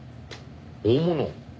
大物？